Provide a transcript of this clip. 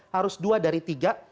harus dua dari tiga